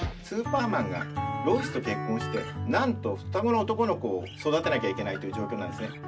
スーパーマンがロイスと結婚してなんと双子の男の子を育てなきゃいけないという状況なんですね。